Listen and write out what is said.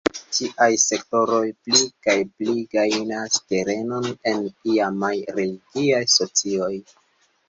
Tiaj sektoroj pli kaj pli gajnas terenon en iamaj religiaj socioj.